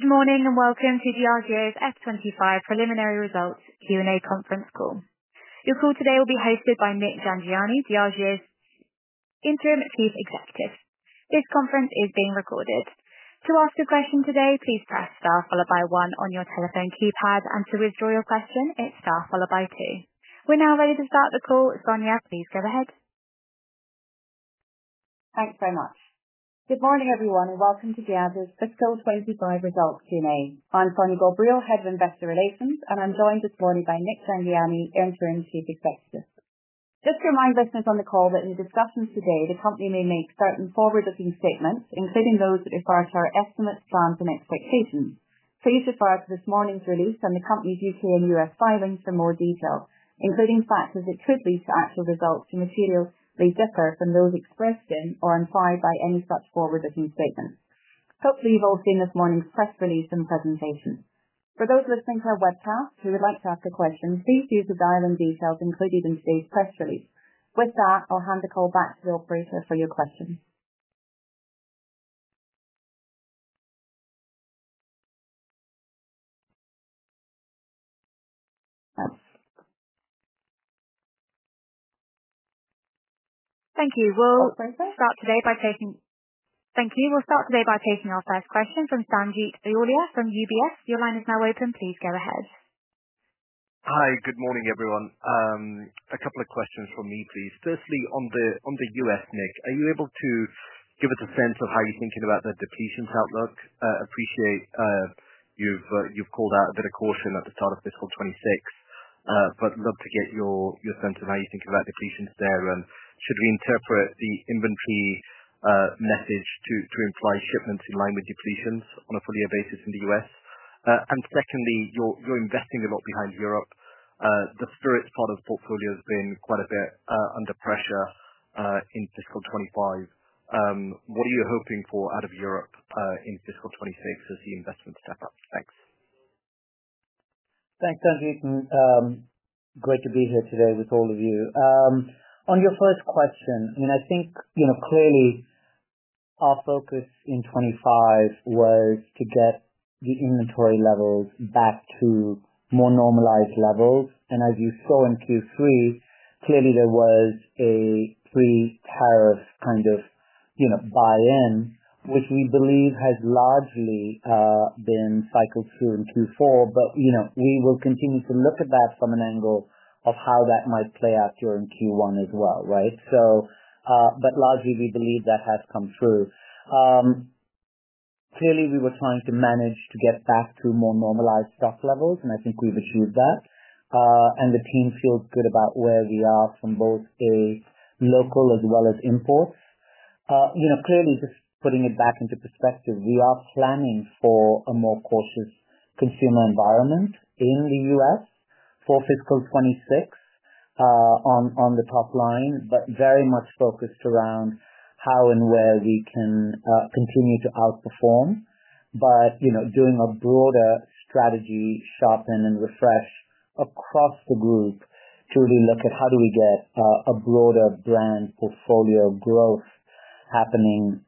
Good morning and welcome to Diageo's FY 2025 preliminary results Q&A conference call. Your call today will be hosted by Nik Jhangiani, Diageo's Interim Chief Executive. This conference is being recorded. To ask a question today, please press star followed by one on your telephone keypad. To withdraw your question, it's star followed by two. We're now ready to start the call. Sonya, please go ahead. Thanks very much. Good morning everyone and welcome to Diageo's fiscal 2025 results Q&A. I'm Sonya Ghobrial, Head of Investor Relations, and I'm joined this morning by Nik Jhangiani, Interim Chief Executive. Just to remind listeners on the call that in discussions today, the company may make certain forward-looking statements, including those with regard to our estimates, plans, and expectations. Please refer to this morning's release and the company's U.K. and U.S. filings for more detail, including factors that could lead to actual results that may differ from those expressed in or implied by any such forward-looking statements. Hopefully you've all seen this morning's press release and presentation. For those listening to our webcast who would like to ask your questions, please use the dial-in details included in today's press release. With that, I'll hand the call back to the operator for your questions. Thank you. We'll start today by taking our first question from Sanjeet Aujla from UBS. Your line is now open. Please go ahead. Hi, good morning everyone. A couple of questions for me please. Firstly, on the U.S., Nik, are you able to give us a sense of how you're thinking about the depletion outlook? Appreciate you've called out a bit of caution at the start of fiscal 2026, but love to get your sense of how you think about depletions there. Should we interpret the inventory message to imply shipments in line with depletions on a full year basis in the U.S.? Secondly, you're investing a lot behind Europe. The spirit part of the portfolio has been quite a bit under pressure in fiscal 2025. What are you hoping for out of Europe in fiscal 2026 as the investment steps up? Thanks. Thanks, Sanjeet, and great to be here today with all of you on your first question. I think you know clearly our focus in 2025 was to get the inventory levels back to more normalized levels, and as you saw in Q3, clearly there was a pre-tariff kind of buy-in, which we believe has largely been cycled through in Q4. We will continue to look at that from an angle of how that might play out during Q1 as well. Largely, we believe that has come through. Clearly, we were trying to manage to get fast to more normalized stock levels, and I think we've achieved that. The team feels good about where we are from both local as well as imports. Just putting it back into perspective, we are planning for a more cautious consumer environment in the U.S. for fiscal 2026 on the top line, but very much focused around how and where we can continue to outperform. We are doing a broader strategy, sharpen and refresh across the group to really look at how do we get a broader brand portfolio growth happening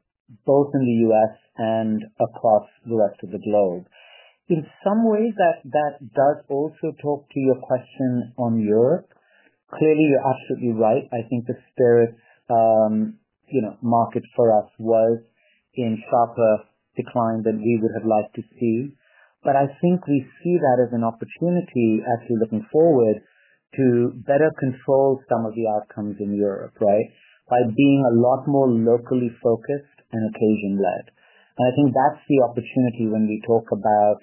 both in the U.S. and across the rest of the globe. In some ways, that does also talk to your question on Europe. Clearly, you're absolutely right. I think the spirits market for us was in sharper decline than we would have loved to see. I think we see that as an opportunity, actually looking forward to better control some of the outcomes in Europe by being a lot more locally focused and occasion led. I think that's the opportunity when we talk about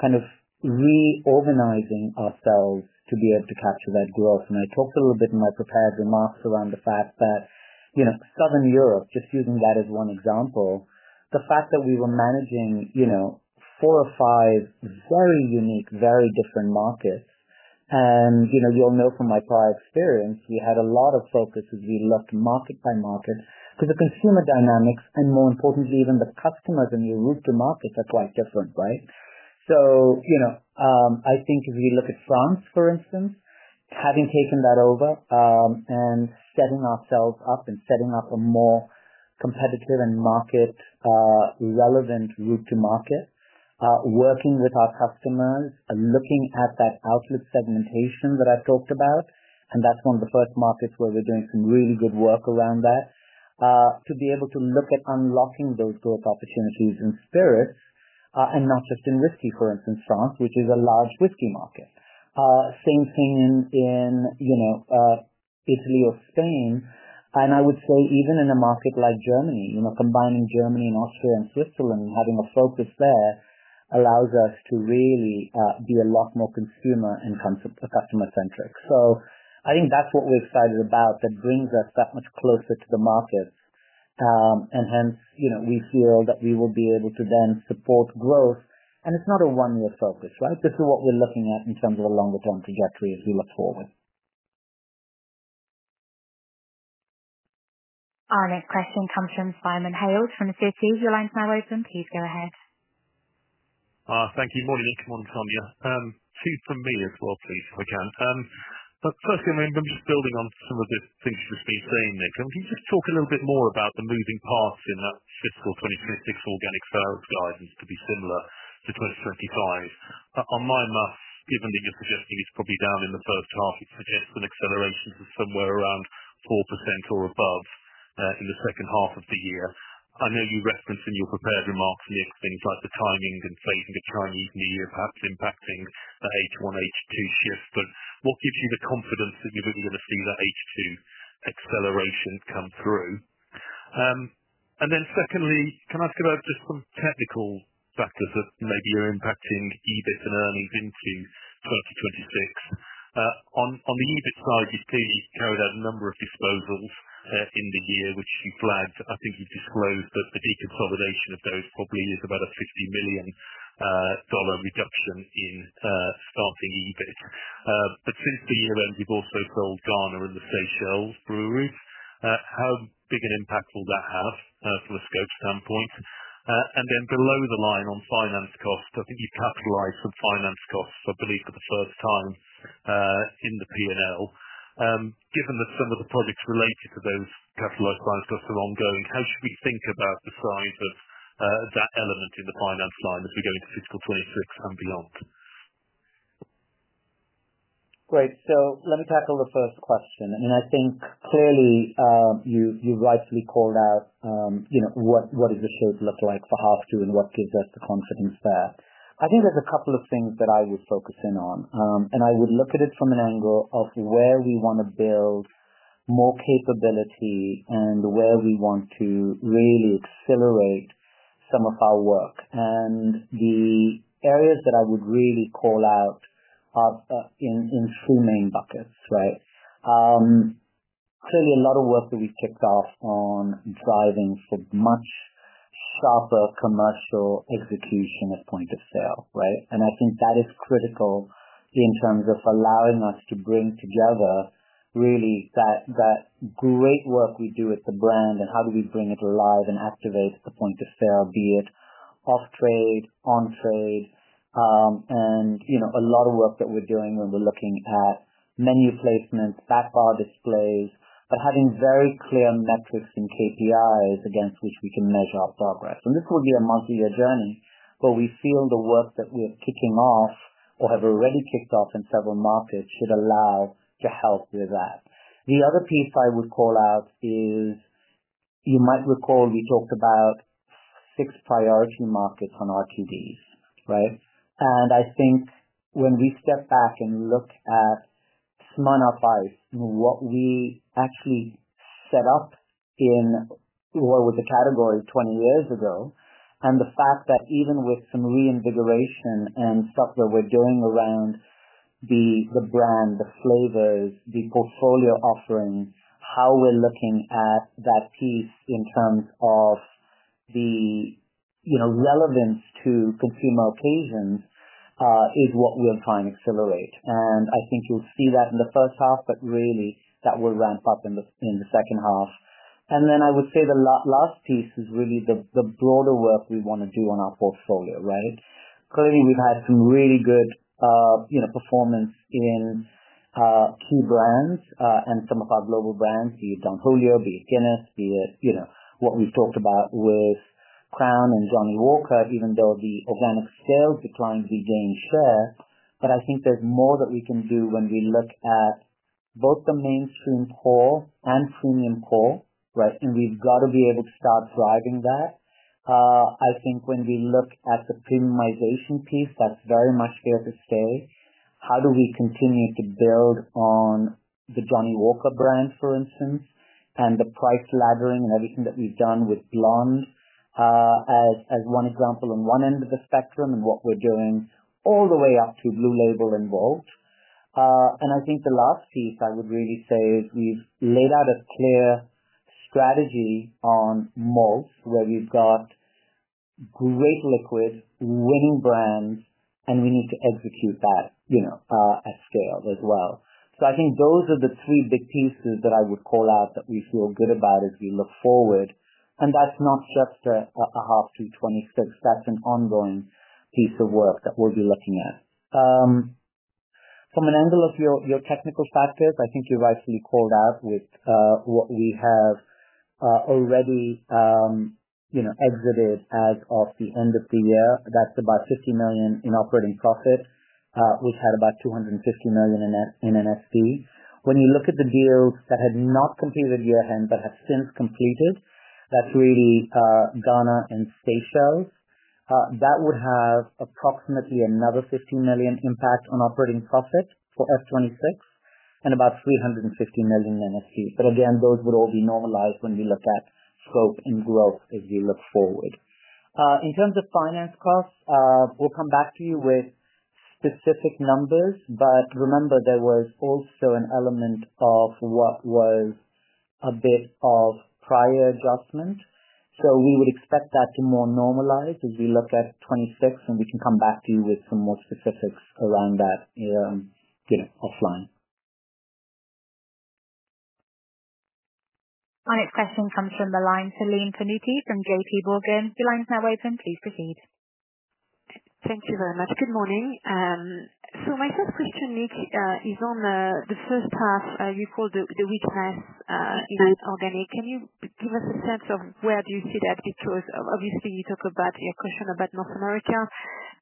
kind of reorganizing ourselves to be able to capture that growth. I talked a little bit in my prepared remarks around the fact that, you know, Southern Europe, just using that as one example, the fact that we were managing four or five very unique, very different markets. You'll know from my prior experience, you had a lot of focus as you looked market by market to the consumer dynamics and, more importantly, even the customers, and your Route-to-Market strategies are quite different. I think if you look at France for instance, having taken that over and setting ourselves up and setting up a more competitive and market relevant route to market, working with our customers, looking at that outlet segmentation that I've talked about, that's one of the first markets where we're doing some really good work around that to be able to look at unlocking those growth opportunities in spirits, and not just in whiskey. For instance, France, which is a large whiskey market, same thing in Italy or Spain. I would say even in a market like Germany, combining Germany and Austria and Switzerland, having a focus there allows us to really be a lot more consumer in terms of customer centric. I think that's what we're excited about. That brings us that much closer to the market and hence we feel that we will be able to go and support growth, and it's not a one-year focus. This is what we're looking at in terms of a longer-term trajectory as we look forward. Our next question comes from Simon Hales from Citi. Your line's now open. Please go ahead. Thank you. Morning, Nik and Sonya. Two from me as well please, if I can. Firstly, I'm building on some of the things you were saying there. Can you just talk a little bit more about the moving parts in that fiscal 2024 fiscal organic sales guidance to be similar to 2025? On my math, given the interest is probably down in the first half, it suggests an acceleration of somewhere around 4% or above in the second half of the year. I know you referenced in your prepared remarks things like the timing and saying the Chinese New Year perhaps impacting the H1 H2 shift. What gives you the confidence that you're going to see that H2 acceleration come through? Secondly, can I ask about just some technical factors that maybe are impacting EBIT and earnings into 2026? On the EBIT side, Diageo carried out a number of disposals in the year which you flagged. I think you've disclosed that the decontamination of those probably is about a $50 million reduction in starting EBIT. Since the year end we've also sold Ghana and the Seychelles Brewery. How big an impact will that have from a scope standpoint? Below the line on finance cost, I think you capitalized some finance costs, I believe for the first time in the P&L. Given that some of the projects related to those capitalized finance costs are ongoing, how should we think about the size of that element in the finance line as we go into fiscal 2026 and beyond? Great. Let me tackle the first question. I think clearly you've rightfully called out what does the field look like for H2 and what gives us the confidence there? I think there's a couple of things that I would focus in on and I would look at it from an angle of where we want to build more capability and where we want to really accelerate some of our work. The areas that I would really call out in four main buckets. Clearly a lot of work that we've kicked off on driving for much softer commercial execution at point of sale. I think that is critical in terms of allowing us to bring together really that great work we do at the brand and how do we bring it live and activate the point of sale, be it off-trade, on-trade, and a lot of work that we're doing when we're looking at menu placements, back bar displays, but having very clear metrics and KPIs against which we can measure our progress. This will be a multi-year journey, but we feel the work that we are kicking off or have already kicked off in several markets should allow to help with that. The other piece I would call out is, you might recall we talked about six priority markets on RTDs. I think when we step back and look at Smirnoff Ice, what we actually set up in what was the category 20 years ago, and the fact that even with some reinvigoration and stuff that we're doing around the brand, the flavors, the portfolio offering, how we're looking at that piece in terms of the relevance to consumer occasions is what we'll try and accelerate. I think you'll see that in the first half, but really that will ramp up in the second half. I would say the last piece is really the broader work we want to do on our portfolio. Clearly we've had some really good performance in key brands and some of our global brands, be it Don Julio, be it Guinness, be it, you know, what we've talked about with Crown Royal and Johnnie Walker, even though the organic sales declined, they gained share. I think there's more that we can do when we look at both the mainstream core and premium core. We've got to be able to start driving that. I think when we look at the Premiumization piece, that's very much there to stay. How do we continue to build on the Johnnie Walker brand, for instance, and the price laddering, everything that we've done with Blonde as one example on one end of the spectrum and what we're doing all the way up to Blue Label involved. I think the last piece I would really say is we've laid out a clear strategy on most where you've got great liquid winning brands and we need to execute that at scale as well. I think those are the three big pieces that I would call out that we feel good about as we look forward. That's not just a half 2026, that's an ongoing piece of work that we'll be looking at. From an angle of your technical factors, I think you rightfully called out with what we have already exited as of the end of the year, that's about $50 million in operating profit, had about $250 million in NSP. When you look at the deal that had not completed year end but have since completed, that's really Ghana and Seychelles sales that would have approximately another $15 million impact on operating profit for fiscal 2026 and about $350 million NSP. Again, those would all be normalized. When we look at scope and growth as we look forward in terms of finance costs, we'll come back to you with specific numbers but remember there was also an element of what was a bit of prior adjustment. We would expect that to more normalize as we looked at 2026. We can come back to you with some more specifics around that offline. Our next question comes from the line of Celine Pannuti from JPMorgan. The line is now open. Please proceed. Thank you very much. Good morning. My first question, Nik, is on the first half. You call the weakness in the organic. Can you give us a sense of where do you see that? Because obviously you talk about your question about North America,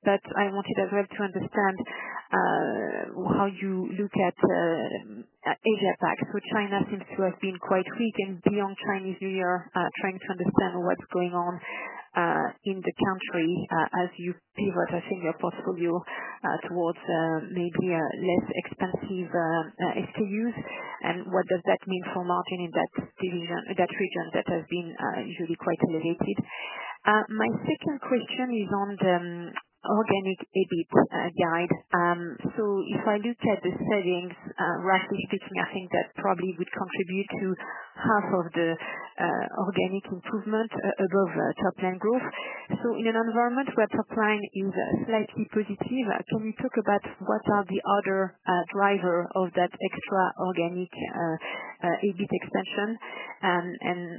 but I wanted as well to understand how you look at China. China proves to have been quite weak and beyond Chinese New Year. Trying to understand what's going on in the country as you see reversing your portfolio towards maybe less expensive SKUs and what does that mean for margin in that region that has been usually quite litigated. My second question is on the organic EBIT guide. If I look at the savings, roughly speaking, I think that probably would contribute to half of the organic improvement above top line growth. In an environment where top line is slightly positive, actually talk about what are the other drivers of that extra organic EBIT expansion.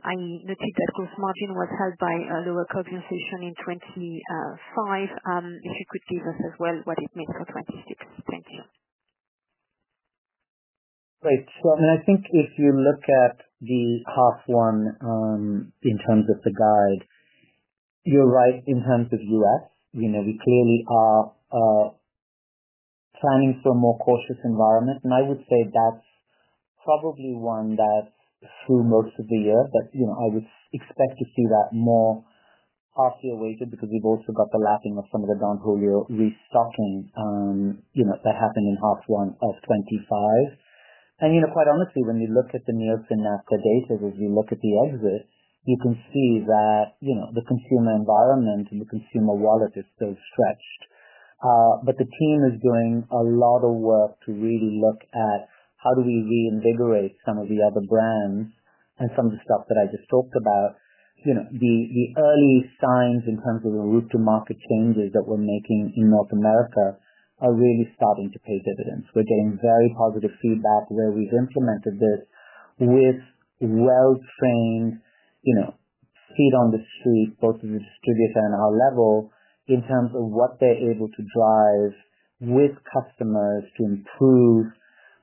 I noted that gross margin was held by lower compensation in 2025. If you could give us what it made cost $1.50. Thank you. Great. I think if you look at the half one in terms of the guide, you're right. In terms of us, you know, we clearly are planning for a more cautious environment and I would say that's probably one that flew more severe that, you know, I would expect to see that more RC awaited because we've also got the lacking of some of the Don Julio restarting. You know, that happened in half one of 2025. Quite honestly, when you look at the Nielsen NABCA data, if you look at the auxiliary, you can see that, you know, the consumer environment and the consumer wallet is still stretched. The team is doing a lot of work to really look at how do we reinvigorate some of the other brands and some of the stuff that I just talked about. The early signs in terms of the Route-to-Market changes that we're making in North America are really starting to pay dividends. We're getting very positive feedback where we've implemented this with well-trained feet on the street for the distributor and our level in terms of what they're able to drive with customers to improve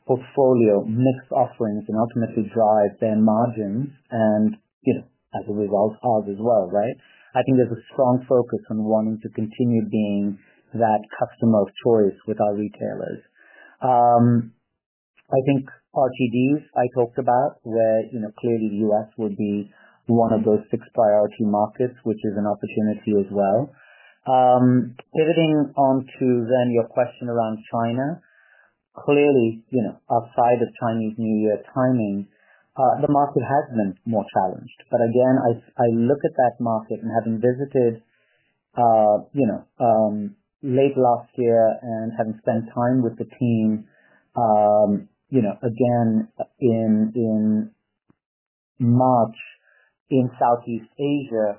portfolio mix offerings and ultimately drive their margin and revolves odds as well. I think there's a strong focus on wanting to continue being that customer of choice with our retailers. I think RTDs I talked about where clearly the US would be one of those six priority markets which is an opportunity as well. Pivoting onto your question around China, clearly outside of Chinese New Year timing, the market has been more challenged. I look at that market and having visited, you know, late last year and having spent time with the team, you know, again in March in Southeast Asia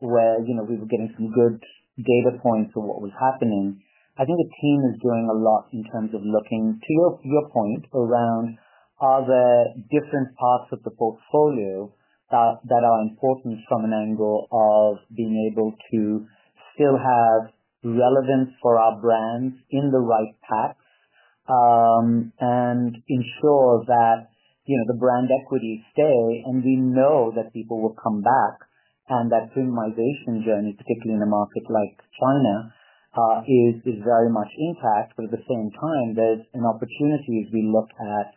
where, you know, we were getting some good data points of what was happening. I think the team is doing a lot in terms of looking to your point around are there different parts of the portfolio that are important from an angle of being able to still have relevance for our brands in the right path and ensure that the brand equity is still, and we know that people will come back and that same migration journey, particularly in a market like China, is very much impact but at the same time there's an opportunity to be looked for at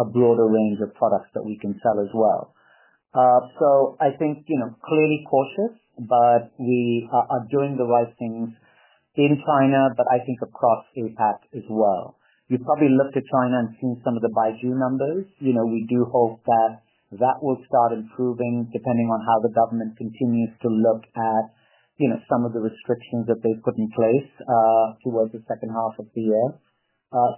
a broader range of products that we can sell as well. I think, you know, clearly cautious but we are doing the right things in China. I think across APAC as well, you probably look at China and seen some of the Baijiu numbers. We do hope that that will start improving depending on how the government continues to look at some of the restrictions that they've put in place towards the second half of the year.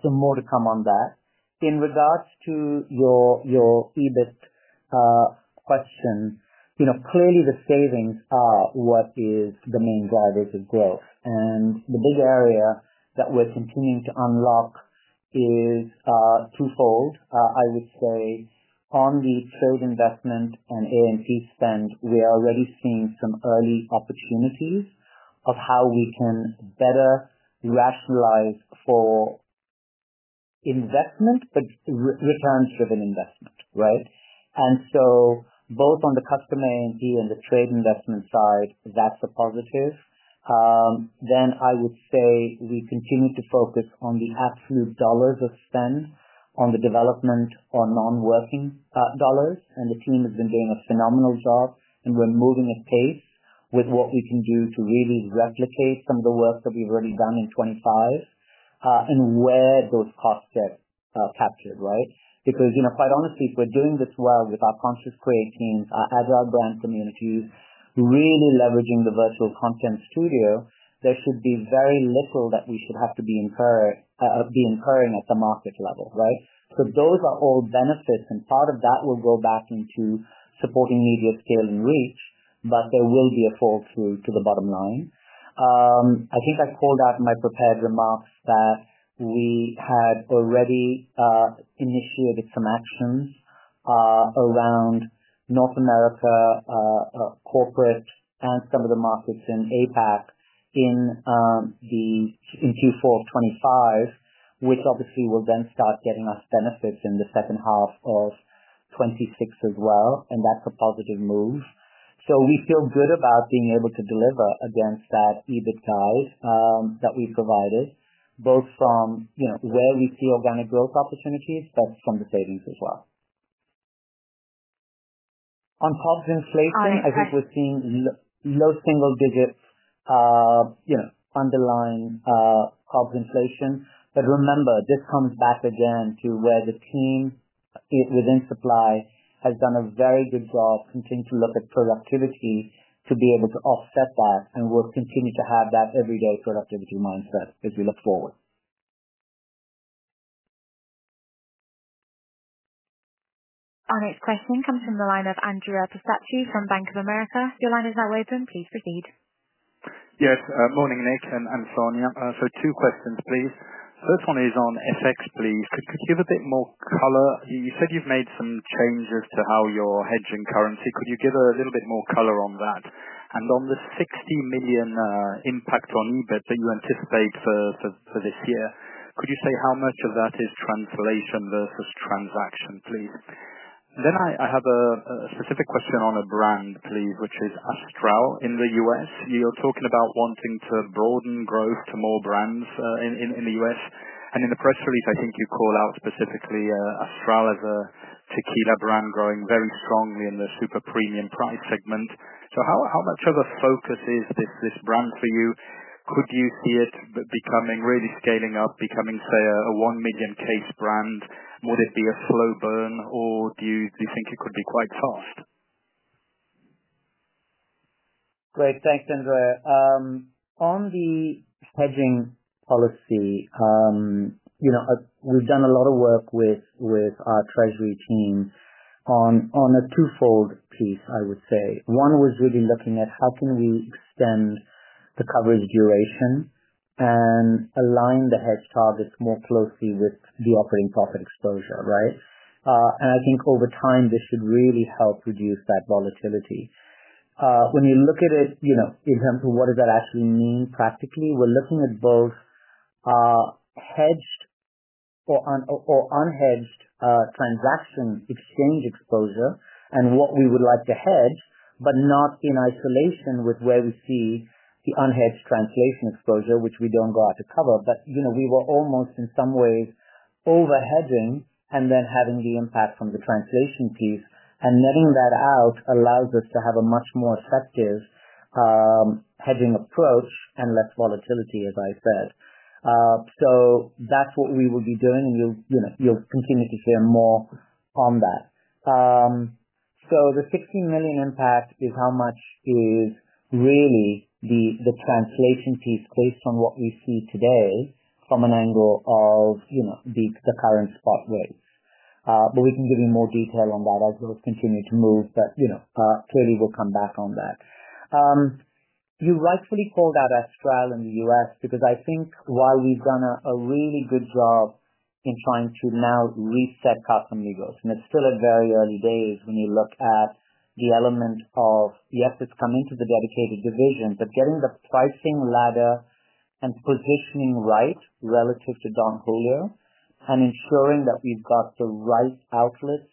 Some more to come on that. In regards to your EBIT question, clearly the savings are what is the main drivers of growth, and the big area that we're continuing to unlock is twofold. I would say on the third investment on A&P spend, we are already seeing some early opportunities of how we can better rationalize for investment, but returns driven investment. Right. Both on the customer A&P and the trade investment side, that's a positive. I would say we continue to focus on the absolute dollars of spend on the development on non working dollars, and the team has been doing a phenomenal job, and we're moving at pace with what we can do to really replicate some of the work that we've already done in 2025 and where those costs get captured. Right. Because quite honestly, if we're doing this well with our conscious creating agile gong communities, really leveraging the virtual content studio, there should be very little that we should have to be incurring at the market level. Those are all benefits, and part of that will go back into supporting media scale and reach. There will be a fall through to the bottom line. I think I called out in my prepared remarks that we had already initiated some actions around North America corporate and some of the markets in APAC in Q4 2025, which obviously will then start getting U.S. benefits in second half of 2026 as well. That is a positive move. We feel good about being able to deliver against that EBITDA that we've provided both from where we see organic growth opportunities and from the savings as well. On COGS inflation, I think we're seeing low single-digit underlying COGS inflation. Remember this comes back again to where the team within supply has done a very good job. We continue to look at productivity to be able to offset that, and we'll continue to have that everyday productivity mindset as we look forward. Our next question comes from the line of Andrea Pistacchi from Bank of America. Your line is now open. Please proceed. Yes. Morning Nik and Sonya, for two questions please. First one is on FX, I believe. Could you give a bit more color? You said you've made some changes to how you're hedging currency. Could you give a little bit more color on that and on the $60 million impact on EBIT that you anticipate for this year? Could you say how much of that is translation versus transaction, please? I have a specific question on a brand, please, which is Astral in the U.S. You're talking about wanting to broadcast growth to more brands in the US, and in the press release, I think you call out specifically Astral as a tequila brand growing very strongly in the super-premium price segment. How much of a focus is this brand for you? Could you see it becoming really scaling up, becoming, say, a $1 million case brand? Would it be a slow burn, or do you think it could be quite fast? Great. Thanks, Sonya. On the hedging policy, you know, we've done a lot of work with our treasury team on a twofold piece. I would say one was really looking at how can we extend the coverage duration and align the hedge targets more closely with the operating profit exposure. Right. I think over time this should really help reduce that volatility. When you look at it in terms of what does that actually mean practically, we're looking at both hedged or unhedged transaction exchange exposure and what we would like to hedge, not in isolation with where we see the unhedged translation exposure, which we don't go out to cover, but we were almost in some ways overhedging and then having the impact from the translation piece and netting that out allows us to have a much more effective hedging approach and less volatility, as I said. That's what we will be doing and you'll continue to hear more on that. The $16 million impact is how much is really the translation piece based on what you see today from an angle of the current spot rates. We can give you more detail on that. Our growth continues to move, but clearly we'll come back on that. You rightfully called out Astral in the U.S. because I think while we've done a really good job in trying to now reset Casamigos and it's still at very early days when you look at the element of yes, it's coming to the dedicated division, but getting the pricing ladder and positioning right relative to Don Julio and ensuring that we've got the right outlets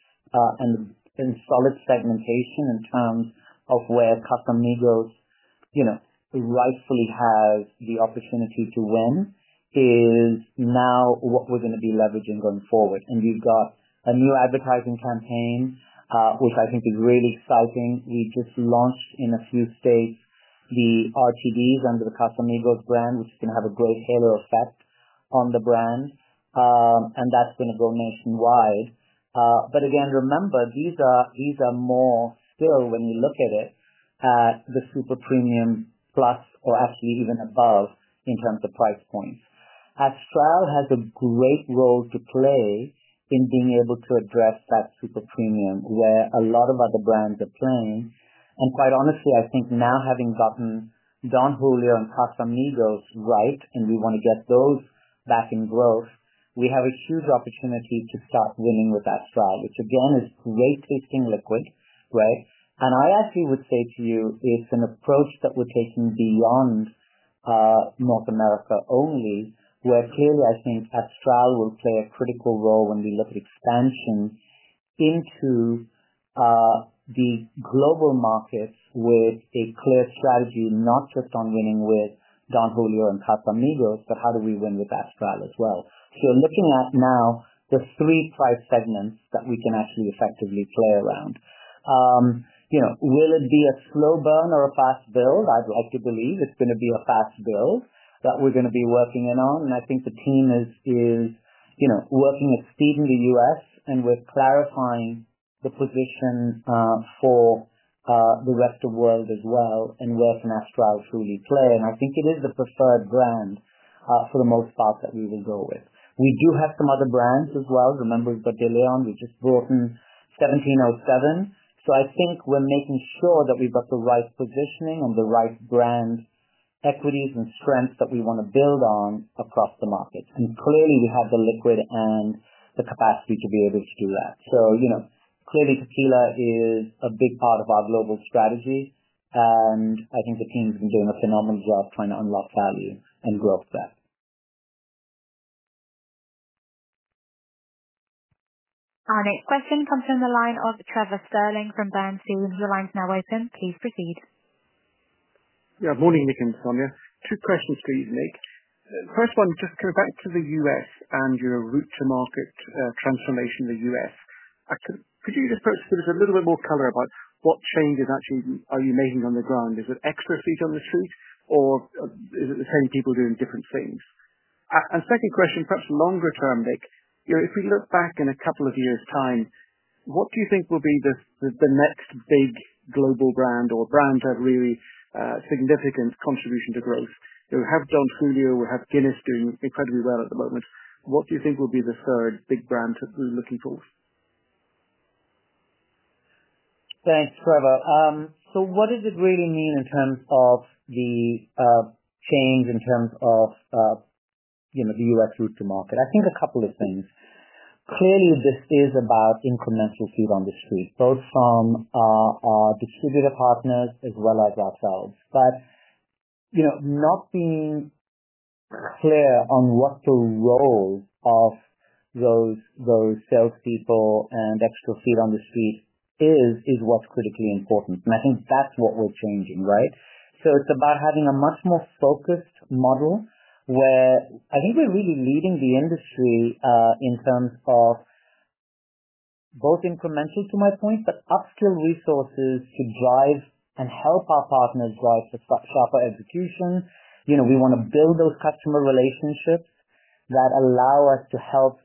and solid segmentation in terms of where Casamigos, you know, rightfully has the opportunity to win is now what we're going to be leveraging going forward. You've got a new advertising campaign which I think is really exciting. We just launched in a few states the RTDs under the Casamigos brand, which is going to have a growth halo effect on the brand and that's going to go nationwide. Remember these are more still when you look at it at the super-premium plus or actually even above in terms of price points. Astral Tequila has a great role to play in being able to address that super-premium, where a lot of other brands are playing. Quite honestly, I think now having gotten Don Julio and Casamigos right and we want to get those back in growth, we have a huge opportunity to start winning with Astral, which again is great liquid. Right. I actually would say to you it's an approach that we're taking beyond North America only, where clearly I think Astral will play a critical role when we look at expansion into these global markets with a clear strategy. Not just on winning with Don Julio and Casamigos, but how do we win with Astral as well? You're looking at now the three price segments that we can actually effectively flow around. Will it be a slow burn or a fast build? I'd like to believe it's going to be a fast build that we're going to be working on. I think the team is working at speed in the U.S., and we're clarifying the position for the rest of world as well and where Astral truly plays. I think it is the preferred brand for the most part that we will go with. We do have some other brands as well. Remember, we've got Don Julio. We just brought in 1707. I think we're making sure that we've got the right positioning on the right brand equities and strengths that we want to build on across the market. Clearly, we have the liquid and the capacity to be able to do that. Tequila is a big part of our global strategy, and I think the team's been doing a phenomenal job trying to unlock value and grow that. Our next question comes from the line of Trevor Stirling from Bernstein. The line is now open. Please proceed. Yeah. Morning, Nik and Sonya. Two questions, please, Nik. First one, just go back to the U.S. and your Route-to-Market or transformation in the U.S. Could you just give us a little bit more color about what changes actually are you making on the ground? Is it actual speech on the street. Is it the same people doing different things? Second question, perhaps longer term, Nik, if we look back in a couple of years' time, what do you think will be the next big global brand or brand to have really significant contribution to growth? We have Don Julio, we have Guinness doing incredibly well at the moment. What do you think will be the third big brand looking for? Thanks, Trevor. What does it really mean in terms of the change in terms of, you know, the U.S. route to market? I think a couple of things. Clearly this is about incremental feet on the street, both from our distributor partners as well as ourselves, but being clear on what the role of those salespeople and extra feet on the street is, is what's critically important. I think that's what we're changing. It's about having a much more focused model where I think we're really leading the industry in terms of both incremental, to my point, but upskilled resources to drive and help our partners drive proper execution. We want to build those customer relationships that allow us to help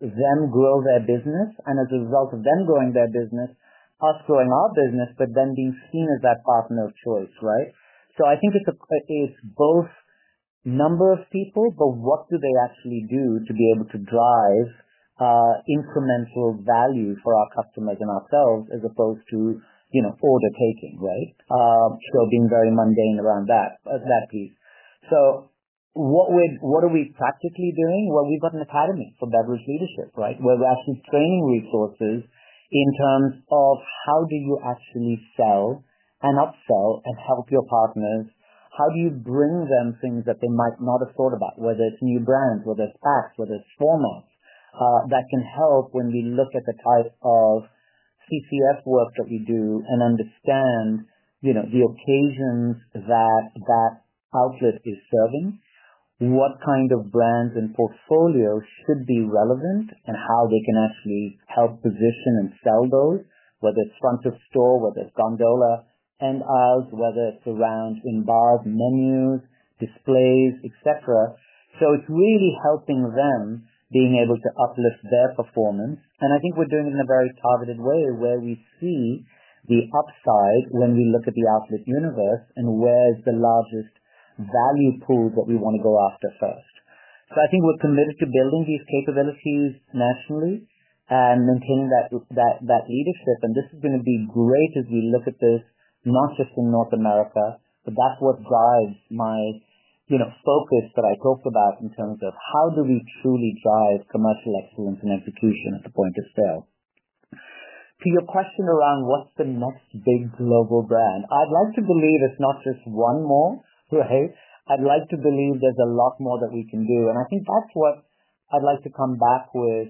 them grow their business, and as a result of them growing their business, us growing our business, but then being seen as that partner of choice. I think it's both number of people, but what do they actually do to be able to drive incremental value for our customers and ourselves as opposed to, you know, order taking. Being very mundane around that piece. What are we practically doing? We've got an academy for beverage leadership, where we have some training resources in terms of how do you actually sell and upsell and help your partners, how do you bring them things that they might not have thought about, whether it's new brands, whether it's facts for this format that can help when we look at the type of CCF work that we do and understand the occasions that that outlet is serving, in what kind of brands and portfolio should be relevant and how they can actually help position and sell those, whether it's front of store, whether it's gondola and aisles, whether it's around in bar menus, displays, etc. It's really helping them being able to uplift their performance. I think we're doing it in a very targeted way where we see the upside when we look at the outlet universe and where is the largest value pool, what we want to go after first. I think we're committed to building these capabilities nationally and maintaining that leadership. This is going to be great as we look at this, not just in North America, but that's what drives my focus that I talked about in terms of how do we truly drive commercial excellence and execution at the point of sale. To your question around what's the next big global brand, I'd love to believe it's not just one more. I'd like to believe there's a lot more that we can do. I think that's what I'd like to come back with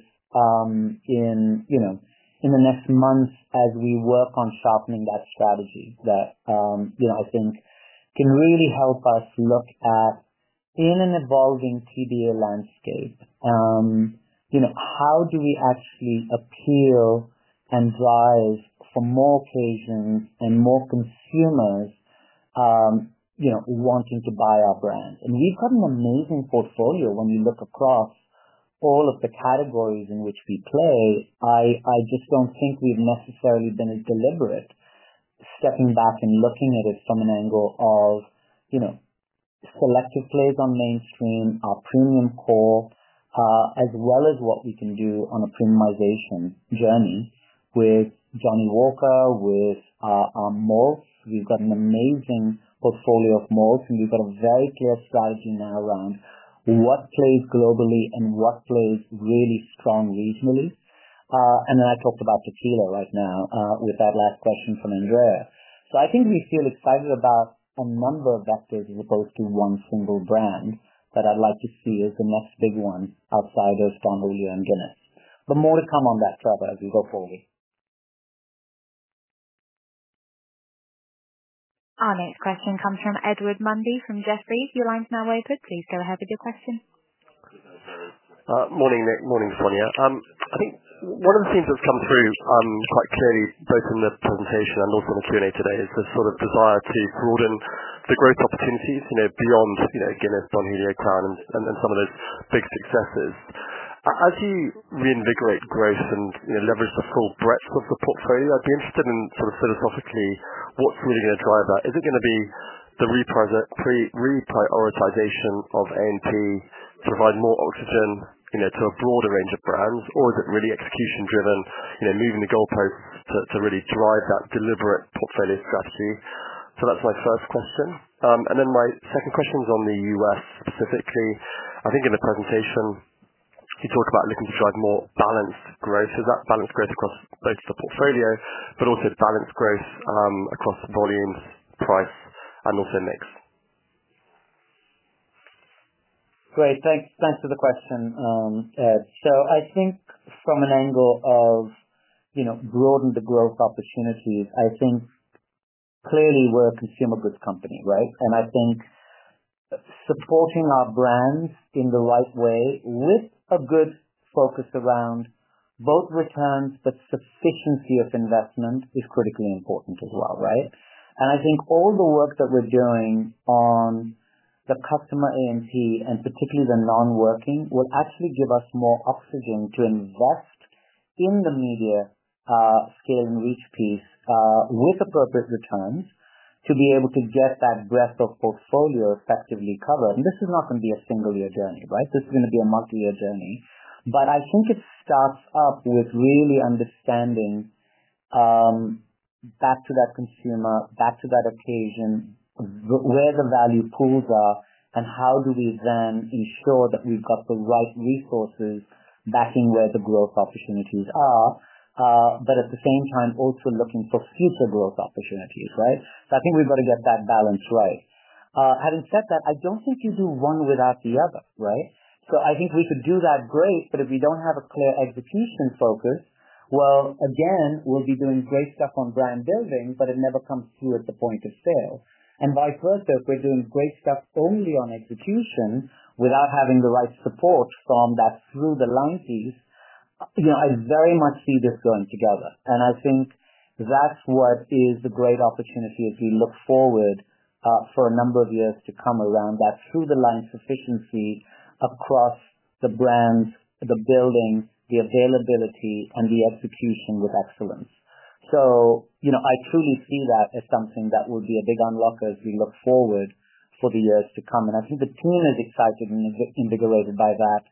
in the next months as we work on sharpening that strategy that, you know, I think can really help us look at in an evolving TBA landscape. You know, how do we actually appeal and drive for more casings and more consumers wanting to buy our brand. We've got an amazing portfolio. When you look across all of the categories in which we play, I just don't think we've necessarily been as deliberate stepping back and looking at it from an angle of selective plays on mainstream, our premium core, as well as what we can do on a Premiumization journey with Johnnie Walker with more. You've got an amazing portfolio of more. You've got a very clear scaffolding now around what plays globally and what plays really strong regionally. I talked about Tequila right now with that last question from Andrea. I think we feel excited about a number of vectors as opposed to one single brand that I'd like to see as the most big one outside of Don Julio and Guinness. More to come on that further as we go forward. Our next question comes from Edward Mundy from Jefferies. Your line's now open. Please go ahead with your question. Morning Nik. Morning Sonya. One of the things that's come through quite clearly both from the presentation and also on Q&A today is the sort of desire to broaden the growth opportunities beyond Guinness, Don Julio, Crown Royal, and some of those big successes as you reinvigorate growth and leverage the full breadth of the portfolio. I'd be interested in sort of philosophically what's really going to drive that. Is it going to be the reprioritization of aim to provide more oxygen to a broader range of brands, or is it really execution driven, moving the goalpost to really drive that deliberate portfolio strategy? That's my first question. My second question is on the U.S. specifically. I think in the presentation she talked about looking to drive more balanced growth, so that balanced growth across both the portfolio but also balanced growth across volumes, price, and also mix. Great, thanks. Thanks for the question, Ed. I think from an angle of, you know, broaden the growth opportunities. I think clearly we're a consumer goods company, right. I think supporting our brands in the right way with goods focused around both returns, but sufficiency of investment is critically important as well, right. I think all the work that we're doing on the customer AMC and particularly the non-working will actually give us more oxygen to invest in the media scale and reach piece with appropriate returns to be able to get that breadth of portfolio effectively covered. This is not going to be a single year journey, right. This is going to be a multi-year journey. I think it starts up with really understanding back to that consumer, back to that occasion where the value pools are and how do we then ensure that we've got the right resources backing where the growth opportunities are, but at the same time also looking for future growth opportunities, right. I think we've got to get that balance right. Having said that, I don't think you do one without the other, right. I think we could do that great, but if you don't have a clear execution focus, we'll be doing great stuff on brand building but it never comes through at the point of sale and vice versa. If we're doing great stuff only on execution without having the right support from that through the line piece, you know, I very much see this going together and I think that's what is the great opportunity as you look forward for a number of years to come around that through the line sufficiency across the brands, the building, the availability and the execution with excellence. I truly see that as something that will be a big unlock as we look forward for the years to come. I think the team is excited and invigorated by that,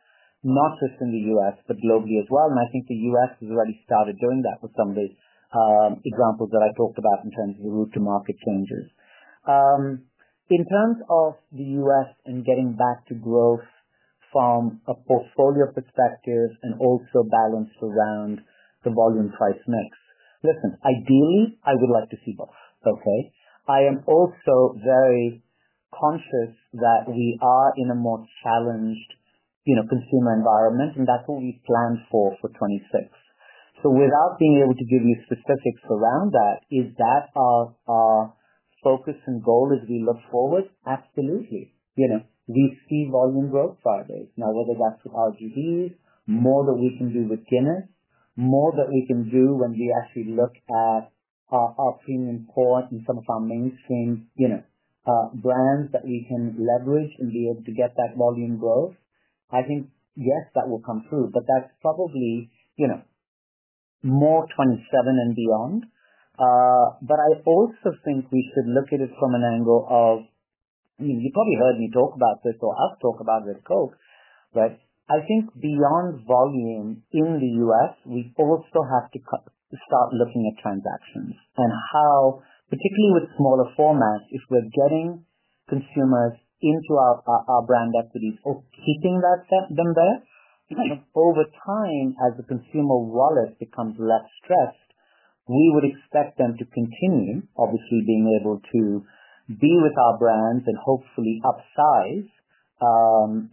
not just in the U.S. but globally as well. I think the U.S. has already started doing that with some of these examples that I talked about in terms of Route-to-Market changes in terms of the U.S. and getting back to growth from a portfolio of perspectives and also balance around the volume, price mix. Listen, ideally I would like to see both, okay. I am also very conscious that we are in a more challenged consumer environment and that's what we plan for 2026. Without being able to give you specifics around that, is that our focus and goal as we look forward? Absolutely. We've seen volume growth sideways now with regards to how much more that we can do with dinner, more that we can do when we actually look at our premium core and some of our mainstream brands that we can leverage and be able to get that volume growth. I think yes, that will come through, but that's probably more 2027 and beyond. I also think we could look at it from an angle of you probably heard me talk about this or us talk about it at Diageo. I think beyond volume in the U.S. we also have to start looking at transactions on how particularly with smaller format, if we're getting consumers into our brand equities or keeping them there over time as the consumer wallets become less stressed, we would expect them to continue obviously being able to be with our brands and hopefully upsize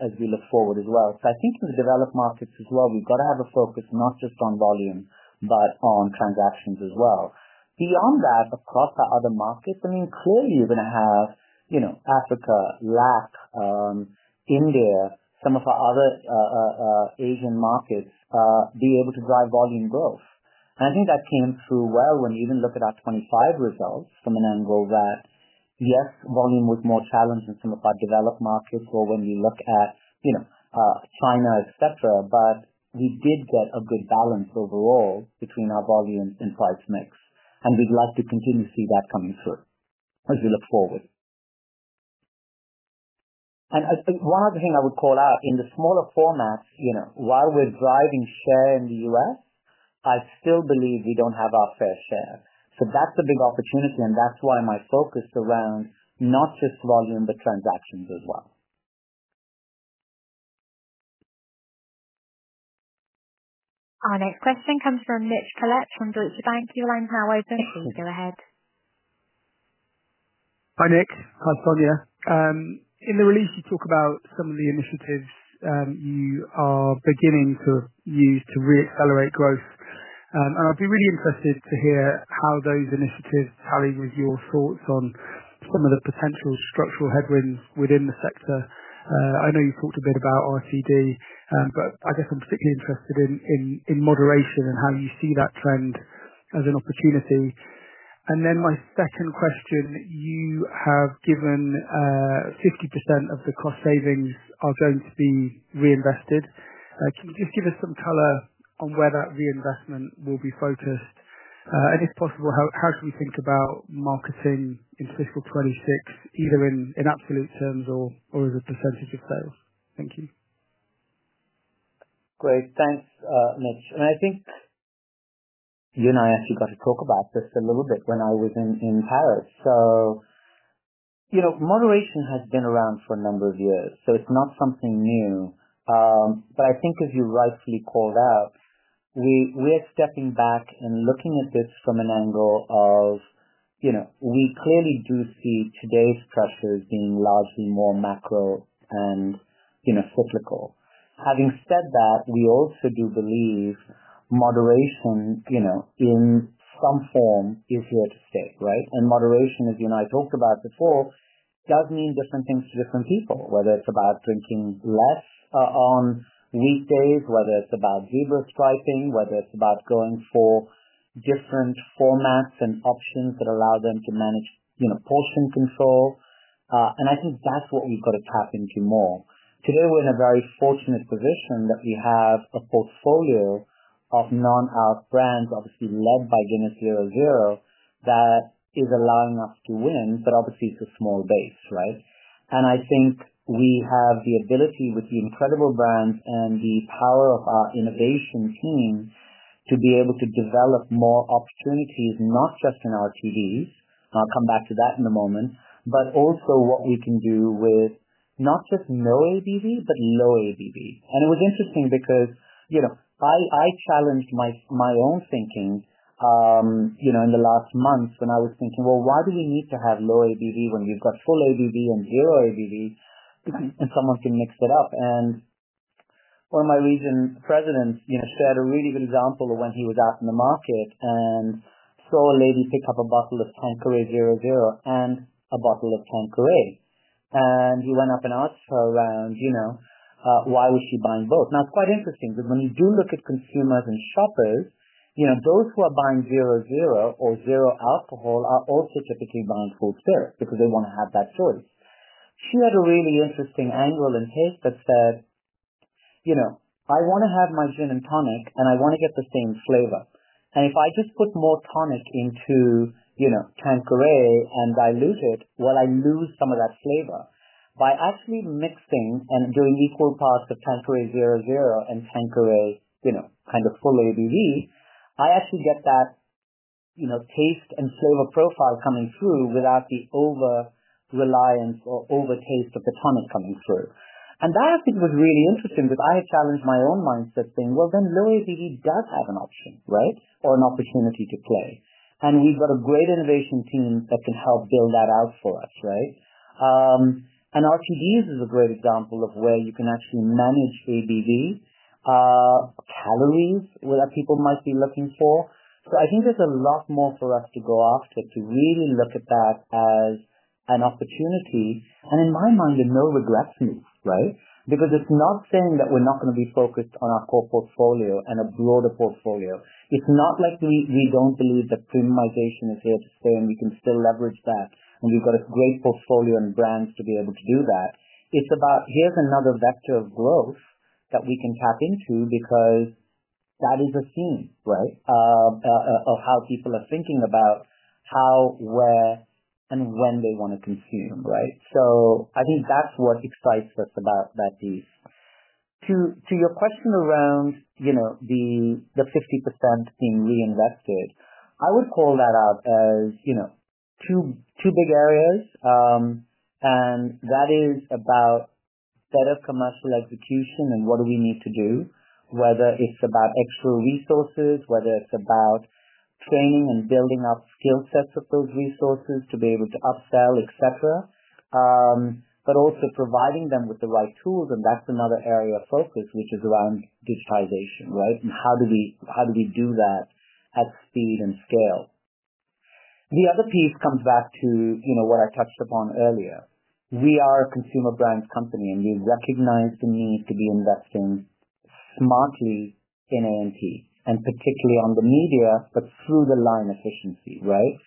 as we look forward as well. I think in the developed markets as well, we've got to have a focus not just on volume but on transactions as well. Beyond that, across the other markets, clearly we're going to have Africa, Lat, India, some of our other Asian markets be able to drive volume growth. I think that came through well when you even look at our 2025 results from an angle that yes, volume was more challenged in some of our developed markets, when you look at China, etc. We did get a good balance overall between our volume and price/mix. We'd love to continue to see that coming through as we look forward. I think one other thing I would call out in the smaller format, while we're driving share in the US, I still believe we don't have our fair share. That's a big opportunity, and that's why my focus is around not just volume but transactions as well. Our next question comes from Mitch Collett from Deutsche Bank. Your line's now open. Please go ahead. Hi Nik. Hi Sonya. In the release you talk about some of the initiatives you are beginning to use to re-accelerate growth. I'd be really interested to hear how those initiatives tally with your thoughts on some of the potential structural headwinds within the sector. I know you've talked a bit about RTD, but I guess I'm particularly interested in moderation and how you see that trend as an opportunity. My second question, you have given 50% of the cost savings are going to be reinvested. Can you just give us some color? Where will that reinvestment be focused? If possible, how do you think about marketing in fiscal 2026, either in absolute terms or as a percentage of sales? Thank you. Great. Thanks, Mitch. I think you and I actually got to talk about this a little bit when I was in Paris. You know, moderation has been around for a number of years, so it's not something new. I think as you rightfully called out, we are stepping back and looking at this from an angle of we clearly do see today's pressures being largely more macro cyclical. Having said that, we also do believe moderation in some form is here to stay. Moderation, as you and I talked about before, does mean different things to different people. Whether it's about drinking less on weekdays, whether it's about zebra striping, whether it's about going for different formats and options that allow them to manage portion control, I think that's what we've got to tap into more today. We're in a very fortunate position that we have a portfolio of non-alcohol brands, obviously led by Guinness 0.0, that is allowing us to win. Obviously, it's a small base. I think we have the ability with the incredible brands and the power of our innovation team to be able to develop more opportunities not just in RTDs. I'll come back to that in a moment. Also, what you can do with not just no ABV, but low ABV. It was interesting because I challenged my own thinking in the last months when I was thinking, why do we need to have low ABV when you've got full ABV and zero ABV and someone can mix it up? One of my region presidents said a really good example of when he was out in the market and saw a lady pick up a bottle of Tanqueray 0.0 and a bottle of Tanqueray, and he went up and asked her around why was she buying both. It's quite interesting that when you do look at consumers and shoppers, those who are buying zero, zero or zero alcohol are also typically buying full strength because they want to have that choice. You had a really interesting angle in taste that said, I want to have my gin and tonic and I want to get the same flavor, and if I just put more tonic into Tanqueray and dilute it, I lose some of that flavor. By actually mixing and doing equal parts of Tanqueray 0.0 and Tanqueray full ABV, I actually get that taste and flavor profile coming through without the overreliance or overtaste of the tonic coming through. That I think was really interesting. Because I challenged my own mindset saying, well then low ABV does have an option, right? Or an opportunity to play. We've got a great innovation team that can help build that out for us, right? RTDs is a great example of where you can actually manage ABV, calories, where people might be looking for. I think there's a lot more for us to go after to really look at that as opportunity. In my mind, no regrets, right? It's not saying that we're not going to be focused on our core portfolio and a broader portfolio. It's not like we don't believe that Premiumization is here to stay and we can still leverage that. We've got a great portfolio and brands to be able to do that. It's about, here's another vector of growth that we can tap into because that is a scene, right, of how people are thinking about how, where, and when they want to consume, right? I think that's what excites us about that piece. To your question around, you know, the 50% being reinvested, I would call that out as, you know, two big areas and that is about better commercial execution and what do we need to do. Whether it's about extra resources, whether it's about training and building up skill sets of those resources to be able to upsell, et cetera, but also providing them with the right tools and that's another area of focus which is around digitization, right, and how do we do that at speed and scale. The other piece comes back to what I touched upon earlier. We are a consumer brands company and we recognize the need to be investing in on-trade and particularly on the media but through the line efficiency, right.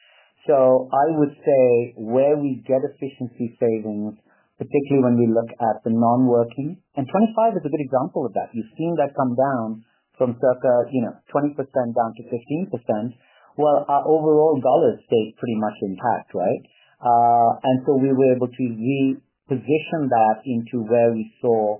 I would say where we get efficiency savings, particularly when we look at the non-working and 2025 is a good example of that. You've seen that come down from circa, you know, 20% down to 15%. Our overall dollars stayed pretty much intact, right, and so we were able to reposition that into where we saw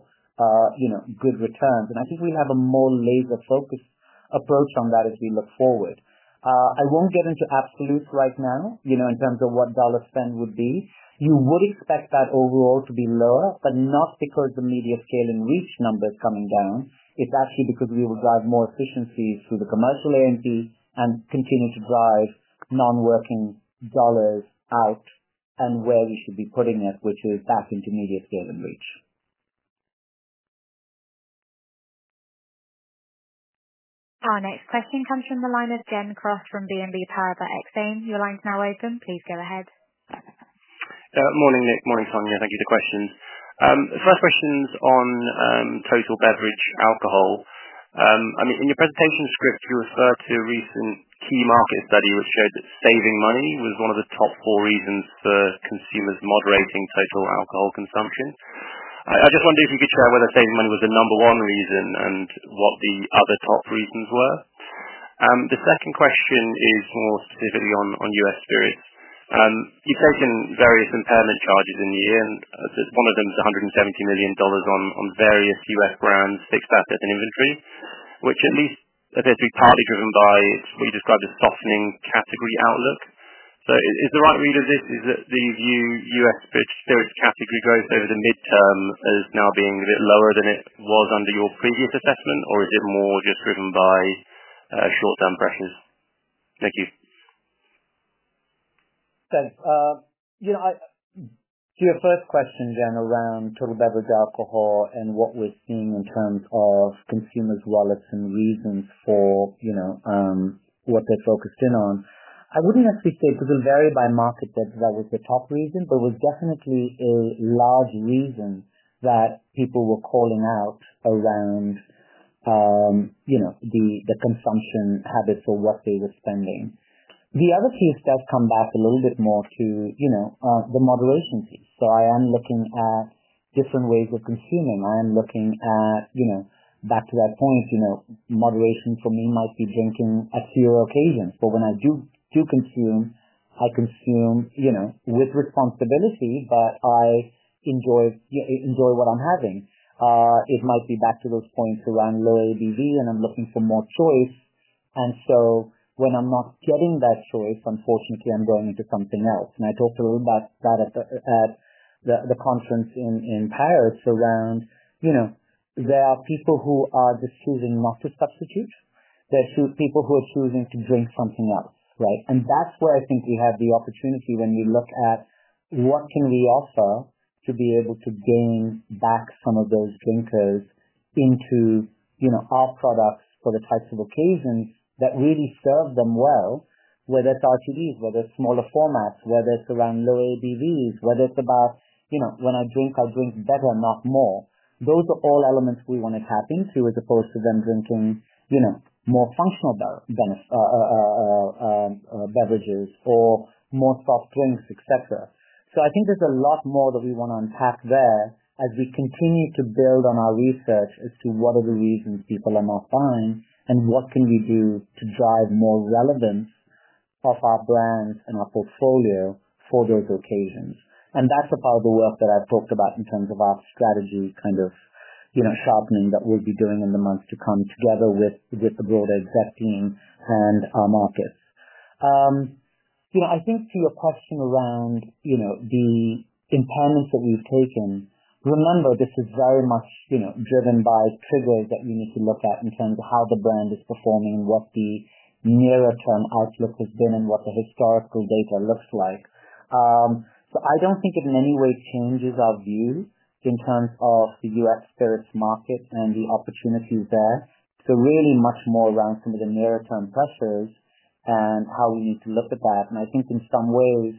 good returns and I think we have a more laser-focused approach on that as we look forward. I won't get into absolutes right now in terms of what dollar spend would be. You would expect that overall to be lower but not because the media scaling reach number is coming down. It's actually because we will drive more efficiencies through the commercial and continue to drive non-working dollars out and where we should be putting it, which is back into media scale and reach. Our next question comes from the line of Gen Cross from BNP Paribas. Your line's now open. Please go ahead. Morning Nik. Morning Sonya. Thank you for the question. First question is on total beverage alcohol. I mean in your presentation script you refer to a recent key market study which showed that saving money was one of the top four reasons for consumers moderating total alcohol consumption. I just wonder if we can share whether saving money was the number one. Reason and what the other top reasons were. The second question is more specifically on U.S. degree. You take in various impairment charges in the year, and one of them is $170 million on various U.S. brands, fixed assets, and inventory, which at least appears to be partly driven by what you described as softening category outlook. Is the right read of this that the view U.S. spirits category growth over the midterm is now being a bit lower than it was under your previous assessment, or is it more just driven by short term pressures? Thank you. Thanks. Your first question then around total beverage alcohol and what we're seeing in terms of consumers' wallets and reasons for what they're focused in on? I wouldn't necessarily say it doesn't vary by market, but that was the top reason. It was definitely a large reason that people were calling out around the consumption habits or what they were spending. The other piece does come back a little bit more to the moderation piece. I am looking at different ways of consuming. I am looking at, back to our point, moderation for me might be drinking on fewer occasions, but when I do consume, I consume with responsibility. I enjoy what I'm having. It might be back to those points around low ABV when I'm looking for more choice. When I'm not getting that choice, unfortunately, I'm going to something else. I talked a little about the conference in Paris around there are people who are just choosing not to substitute. There are people who are choosing to drink something else. I think we have the opportunity. When you look at what can we offer to be able to gain back some of those drinkers into our products for the types of occasions that really serve them well, whether it's RTDs, whether it's smaller formats, whether it's around low ABVs, whether it's about when I drink, I'll drink better, not more. Those are all elements we wanted to tap into as opposed to them drinking more functional beverages or more soft drinks, etc. I think there's a lot more that we want to unpack there as we continue to build on our research as to what are the reasons people are not buying and what can we do to drive more relevance of our brands and our portfolio for those occasions. That's a part of the work that I've talked about in terms of our strategy sharpening that we'll be doing in the months to come together with the broader team and our markets. I think to your question around the impairment charges that we've taken, remember this is very much driven by triggers that you need to look at in terms of how the brand, what the nearer term outlook has been and what the historical data looks like. I don't think it in any way changes our view in terms of the U.S. spirits market on the opportunities there. Really much more around some of the nearer term pressures and how we need to look at that. I think in some ways,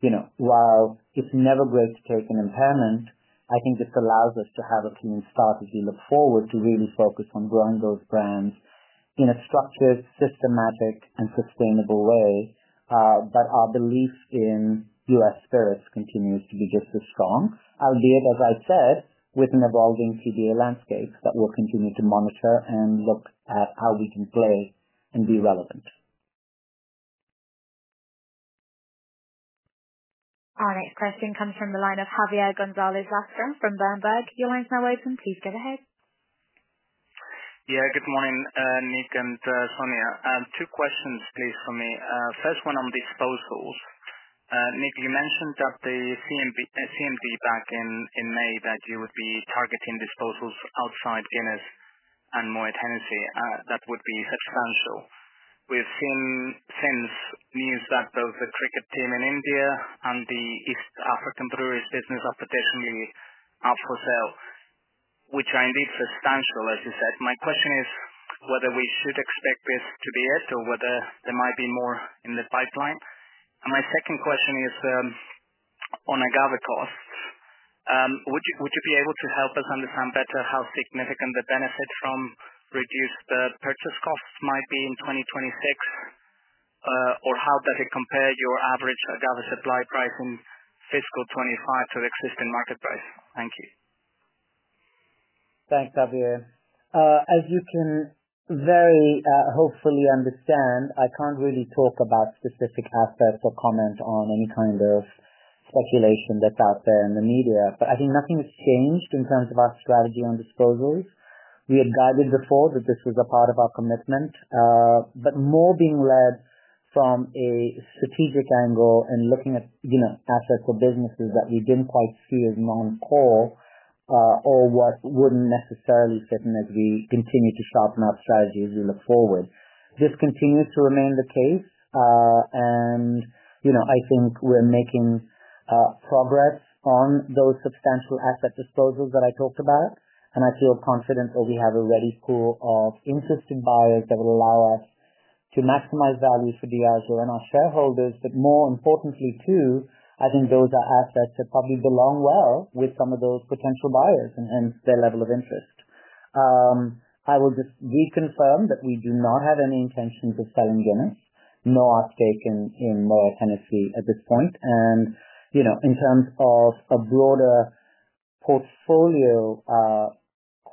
you know, while it's never great to take an impairment, I think this allows us to have a clean start again, look forward to really focus on growing those brands in a structured, systematic, and sustainable way. Our belief in U.S. spirits continues to be just as strong, albeit as I said, with an evolving CBA landscape that we'll continue to monitor and look at how we can play and be relevant. Our next question comes from the line of Javier Gonzalez Lastra from Berenberg. Your line is now open, please go ahead. Yeah, good morning Nik and Sonya. Two questions please for me. First one on disposals. Nik, you mentioned at the CMD back in May that you would be targeting disposals outside Guinness and Moët Hennessy that would be headstrong. We have seen since news that there was a cricket team in India and the after temporary statements have potential of hotel which are indeed substantial as you said. My question is whether we should expect this to be it or whether there. Might be more in the pipeline. My second question is on agave cost. Would you be able to help us understand better how significant the benefit from reduced purchase costs might be in 2026 or how does it compare your average agave supply price on fiscal 2025 to existing marketplace? Thank you. Thanks, Javier. As you can very hopefully understand, I can't really talk about specific assets or comment on any kind of population that's out there in the media. I think nothing has changed in terms of our strategy on disposals. We had guided before that this was a part of our commitment, but more being ready from a strategic angle and looking at assets or businesses that we didn't quite see as non-core or what wouldn't necessarily sit in. As we continue to soften up strategies in the forward, this continues to remain the case and I think we're making progress on those substantial asset disposals that I talked about and I feel confident we have a ready school of interested buyers that will allow us to maximize value for Diageo and our shareholders. More importantly, I think those are assets that probably belong well with some of the potential buyers and their level of interest. I will just reconfirm that we do not have any intentions of selling Guinness nor uptake in Tennessee at this point. In terms of a broader portfolio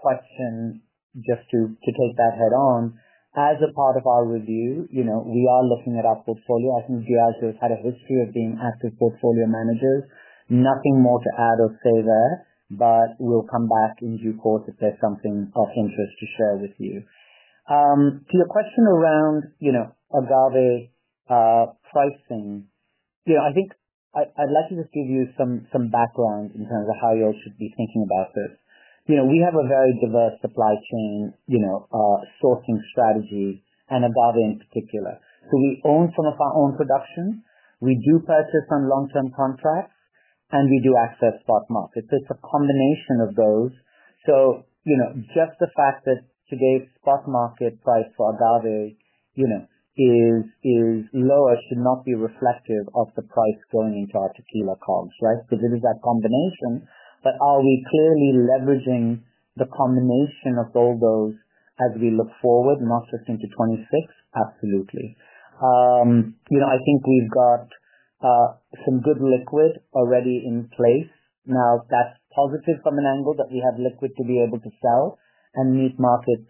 question, just to take that head on, as a part of our review, we are looking at our portfolio. I think Diageo has had a history of being active portfolio managers. Nothing more to add or say there, but we'll come back in due course if there's something of interest to share with you. To your question around agave pricing, I think I'd like to just give you some background in terms of how you all should be thinking about this. We have a very diverse supply chain sourcing strategy and agave in particular we own some of our own production. We do purchase on long-term contracts and we do access spot markets. It's a combination of those. Just the fact that today spot market price for agave is lower should not be reflective of the price going into our tequila COGS, right, because it is that combination. Are we clearly leveraging the combination of all those as we look forward not just into 2026? Absolutely. I think we've got some good liquid already in place now that's positive from an angle that we have liquid to be able to sell on mid-market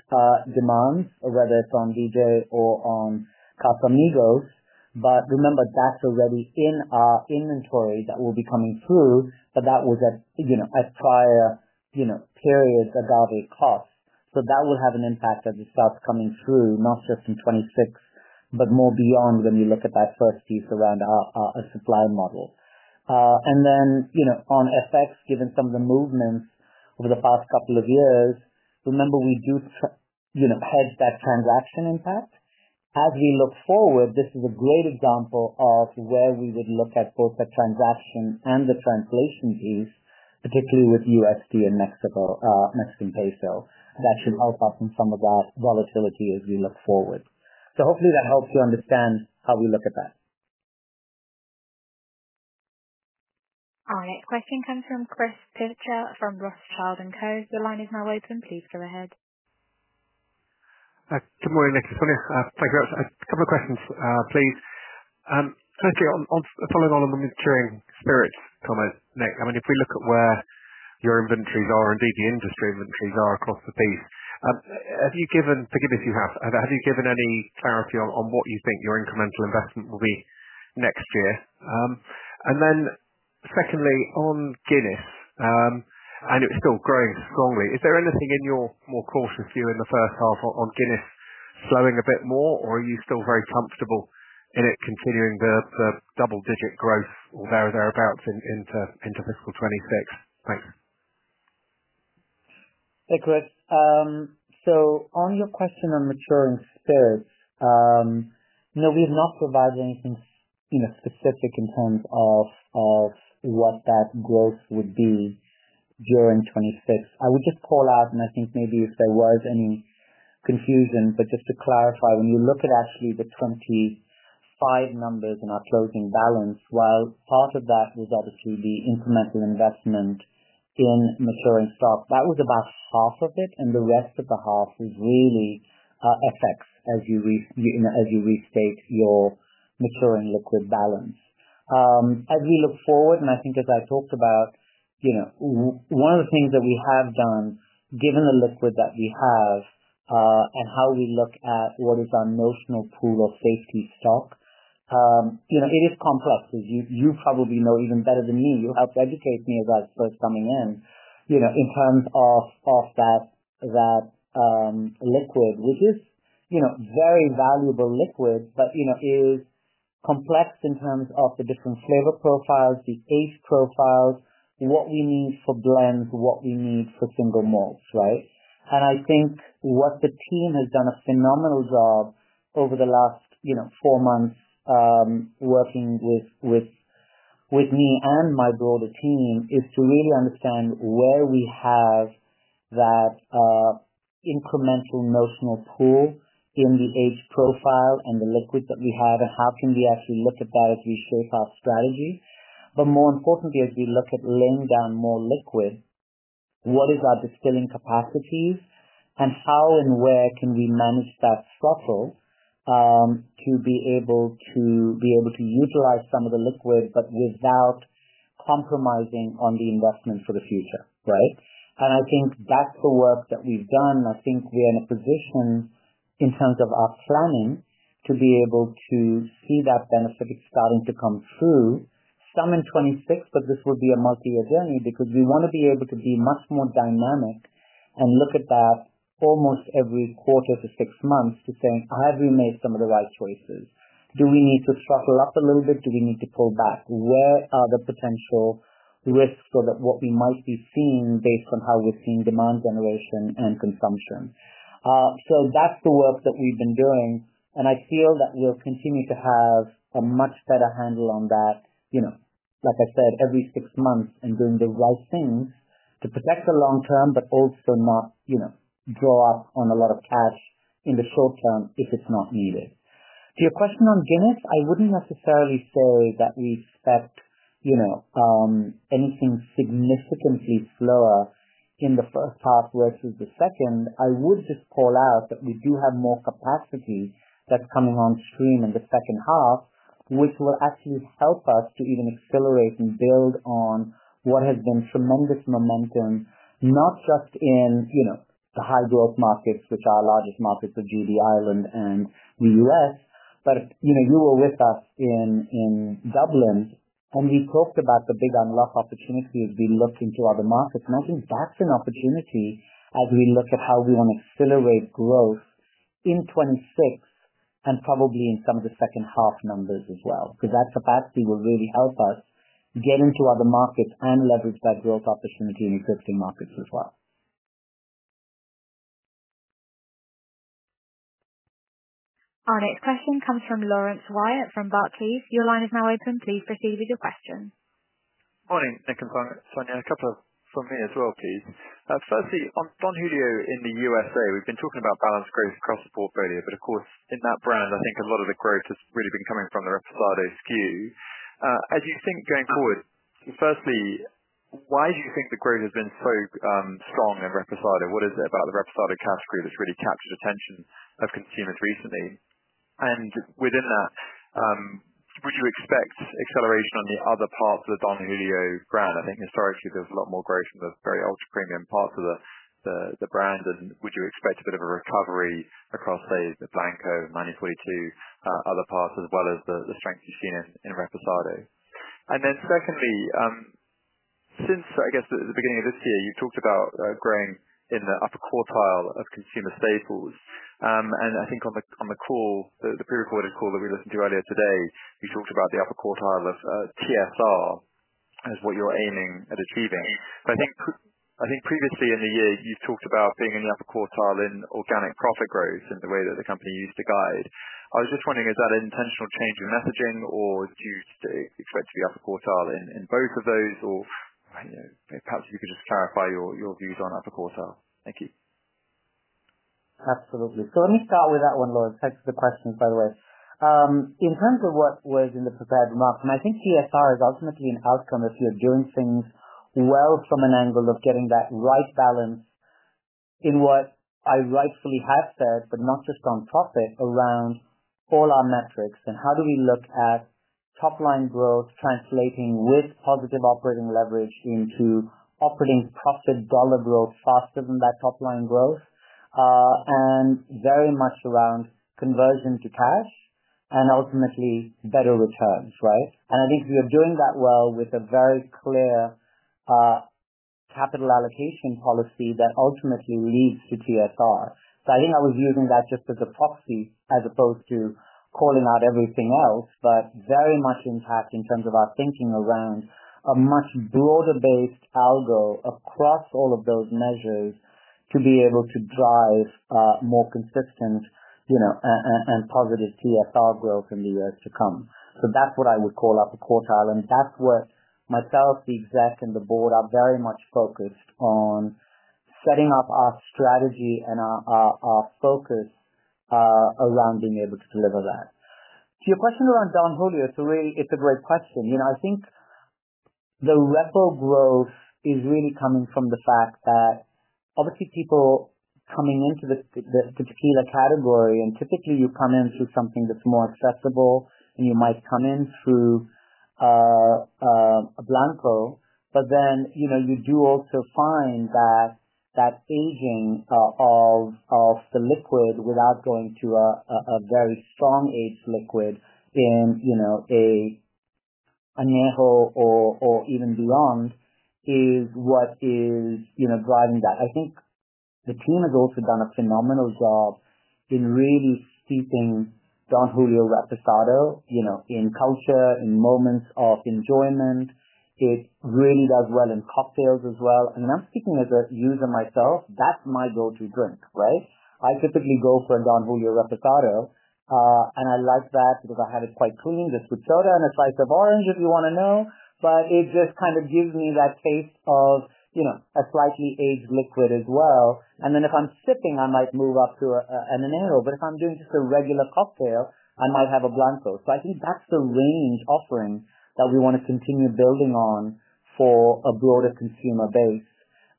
demand, whether it's on DJ or on Casamigos. Remember that's already in our inventory. That will be coming through. That was at, you know, as prior periods agave cost. That will have an impact as it starts coming through not just in 2026 but more beyond. When you look at that first piece around our supply model and then, you know, on FX, given some of the movements over the past couple of years, remember we do hedge that strong grasp from impact as we look forward. This is a great example of where we would look at both the transaction and the translation ease, particularly with USD and Mexican peso. That should help up in some of our volatility as we look forward. Hopefully that helps to understand how we look at that. Our next question comes from Chris Pitcher from Rothschild & Co. The line is now open. Please go ahead. Good morning, Nik. Thank you. A couple of questions please. Firstly, follow on. On the maturing spirits comments, Nik, I mean if we look at where your inventories are, indeed the industry inventories are across the piece. Have you given, have you given any clarity on what you think your incremental investment will be next year? And then secondly on Guinness, I know it's still growing strongly. Is there anything in your more cautious this year in the first half on Guinness flowing a bit more, or are you still very comfortable in it continuing the double-digit growth or thereabouts into fiscal 2026? Thanks. On your question on maturing spirits, no, we have not provided anything specific in terms of what that growth would be during 2026. I would just call out, and I think maybe if there was any confusion, just to clarify, when you look at the 2025 numbers in our closing balance, while part of that is obviously the incremental investment in maturing stock, that was about half of it, and the rest of the half is really FX as you restate your maturing liquid balance as we look forward. I think as I talked about, one of the things that we have done, given the liquid that we have and how we look at what is our notional pool of safety stock, it is complex. As you probably know even better than me, you help educate me about what's coming in, in terms of that liquid, which is very valuable liquid, but is complex in terms of the different flavor profiles, the age profiles, what we need for blends, what we need for single malts. I think what the team has done a phenomenal job over the last four months working with me and my broader team is to really understand where we have that incremental notional pool in the age profile and the liquid that we have. How can we actually look at that as we shape our strategy, but more importantly, as we look at laying down more liquid, what is our distilling capacity and how and where can we manage that throttle to be able to utilize some of the liquid but without compromising on the investment for the future? I think that's the work that we've done. I think we're in a position in terms of our planning to be able to see that benefit. It's starting to come through some in 2026, but this will be a multi-year journey because we want to be able to be much more dynamic and look at that almost every quarter to six months to think, have we made some of the right choices? Do we need to throttle up a little bit? Do we need to pull back? Where are the potential risks or what we might be seeing based on how we're seeing demand generation and consumption? That's the work that we've been doing, and I feel that you'll continue to have a much better handle on that, like I said, every six months and doing the right things to protect the long term, but also not draw up on a lot of cash in the short term if it's not needed. To your question on Guinness, I wouldn't necessarily say that we expect anything significantly slower in the first half versus the second. I would just call out that we do have more capacity that's coming on stream in the second half, which will actually help us to even accelerate and build on what has been tremendous momentum, not just in the high growth markets, with our largest market for Guinness in the U.S., but you were with us in Dublin and we talked about the big unlock opportunity. We look into other markets and I think that's an opportunity as we look at how we want to accelerate growth in 2026 and probably in some of the second half numbers as well. That capacity will really help us to get into other markets and leverage that growth opportunity in incorporating markets as well. Our next question comes from Laurence Whyatt from Barclays. Your line is now open. Please proceed with your question. Morning. A couple from me as well, Nik. Firstly on Don Julio in the U.S., we've been talking about balanced growth across the portfolio, but of course in that brand I think a lot of the growth has really been coming from the Reposado SKU as you think going forward. Firstly, why do you think the growth has been so strong in Reposado? What is it about the Reposado category that's really captured attention of consumers recently? Within that, would you expect acceleration on the other parts of the Don Julio brand? I think historically there's a lot more growth in the very ultra premium parts of the brand. Would you expect a bit of a recovery across, say, the Blanco, maybe to other parts as well as the strength you've seen in Reposado? Secondly, since I guess the beginning of this year you talked about growing in the upper quartile of consumer staples and I think on the call, the prerecorded call that we listened to earlier today, you talked about the upper quartile of TSR as what you're aiming at achieving. I think previously in the year you've talked about being in the upper quartile in organic profit growth and the way that the company used to guide. I was just wondering, is that an intentional change in messaging or do you expect the upper quartile in both of those? Perhaps you can just clarify your views on upper quartile. Thank you. Absolutely. Let me start with that one. Thanks for the question, by the way. In terms of what was in the prepared remarks, I think TSR is ultimately an outcome if you're doing things well from an angle of getting that right balance in what I rightfully have said, not just on profit, around all our metrics. How do we look at top line growth translating with positive operating leverage into operating profit, dollar growth faster than that top line growth, and very much around conversion to cash and ultimately better returns? I think we are doing that well with a very clear capital allocation policy that ultimately leads to TSR. I think I was using that just as a proxy as opposed to calling out everything else, but very much in fact in terms of our thinking around a much broader based algo across all of those measures to be able to drive more consistent and positive TSR growth in the years to come. That's what I would call upper quartile, and that's where myself, the exec, and the board are very much focused on setting up our strategy and our focus around being able to deliver that. To your question around Don Julio, it's a great question. I think the revel growth is really coming from the fact that obviously people coming into this tequila category, and typically you come in through something that's more accessible. You might come in through Blanco, but then you do also find that engine of the liquid without going to a very strong age. Liquid in Añejo or even beyond is what is driving that. I think the team has also done a phenomenal job in really steeping Don Julio Reposado in culture, in moments of enjoyment. It really does well in cocktails as well, and I'm speaking as a user myself. That's my go-to drink, right. I typically go for a Don Julio Reposado, and I like that because I have it quite clean, just with soda and a slice of orange, if you want to know. It just kind of gives me that taste of a slightly aged liquid as well. If I'm sipping, I might move up to an Añejo, but if I'm doing just a regular cocktail, I might have a Blanco. I think that's the range offering that we want to continue building on for a broader consumer base.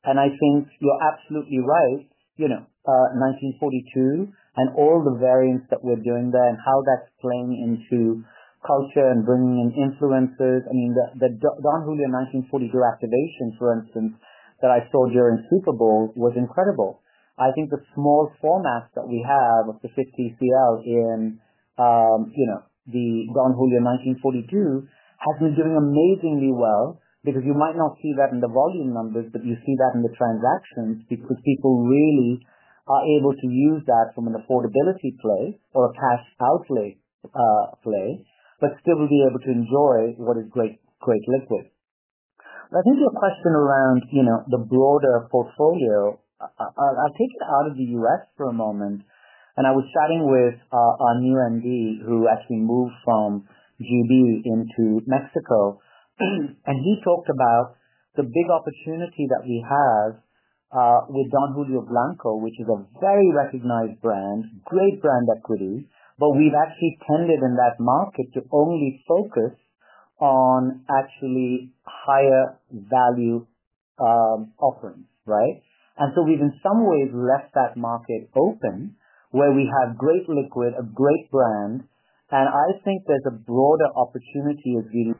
I think you're absolutely right. 1942 and all the variants that we're doing there and how that's playing into culture and bringing in influences. The Don Julio 1942 activations that I saw during Super Bowl were incredible. I think the small formats that we have of the 50 cl in the Don Julio 1942 have been doing amazingly well because you might not see that in the volume numbers, but you see that in the transactions because people really are able to use that from an affordability play or a cash outlay play, but still be able to enjoy what is great, great liquid. I think your question around, you know, the broader portfolio. I'll take the out of the U.S. for a moment. I was starting with our new MD who actually moved from GB into Mexico. He talked about the big opportunity that we have with Don Julio Blanco, which is a very recognized brand, great brand equity, but we've actually funded in that market to only focus on actually higher value offering. Right. In some ways we've left that market open where we have great liquid, a great brand. I think there's a broader opportunity as we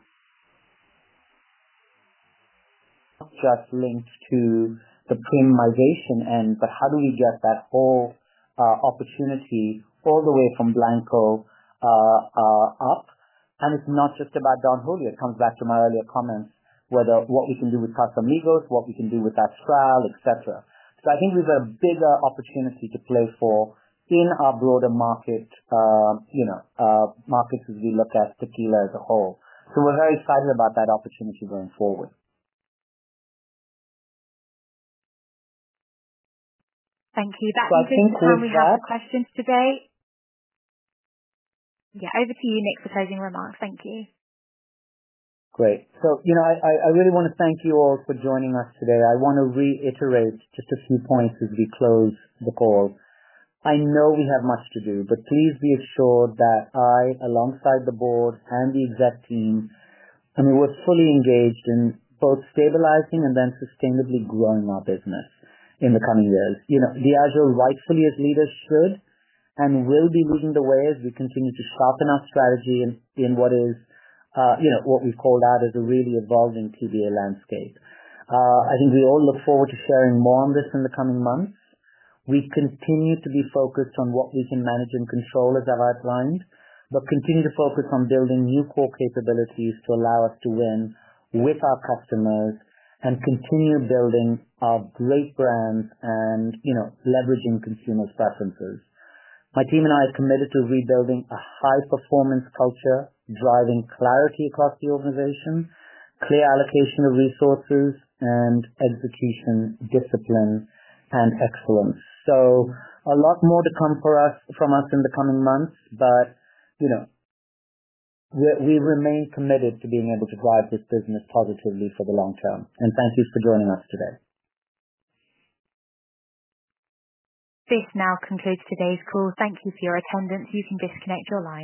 just linked to the Premiumization end. How do we get that whole opportunity all the way from Blanco up? It's not just about Don Julio. It comes back to my earlier comments whether what we can do with Casamigos, what we can do with that trial, et cetera. I think there's a bigger opportunity to play for in our broader markets as we look at tequila as a whole. We're very excited about that opportunity going forward. Thank you. That's how we have the questions today. Over to you, Nik, for closing remarks. Thank you. Great. I really want to thank you all for joining us today. I want to reiterate just a few points as we close the call. I know we have much to do, but please be assured that I, alongside the Board and the Executive Team, was fully engaged in both stabilizing and then sustainably growing our business in the coming years. Diageo, rightfully as leaders, should and will be moving the way as we continue to soften our strategy in what is what we've called out as a really evolving TBA landscape. I think we all look forward to sharing more on this in the coming months. We continue to be focused on what we can manage and control, as I've outlined, and continue to focus on building new core capabilities to allow us to win with our customers and continue building our great brands and leveraging consumers' preferences. My team and I have committed to rebuilding a high performance culture, driving clarity across the organization, clear allocation of resources, and execution discipline and excellence. A lot more to come from us in the coming months. We remain committed to being able to drive this business positively for the long term. Thank you for joining us today. This now concludes today's call. Thank you for your attendance. You can disconnect your lines.